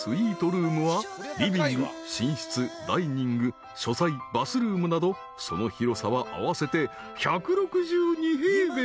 ［リビング寝室ダイニング書斎バスルームなどその広さは合わせて１６２平米］